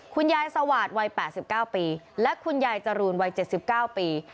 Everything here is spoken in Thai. คุณยายสวาสตร์วัยแปดสิบเก้าปีและคุณยายจรูนวัยเจ็ดสิบเก้าปี